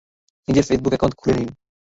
নিজের Facebook account খুলে নিন।